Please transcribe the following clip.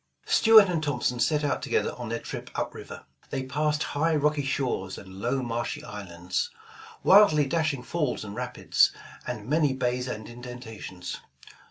Stuart and Thompson set out together on their trip up river. They passed high rocky shores and low marshy islands, wildly dashing falls and rapids, and many bays and indentations.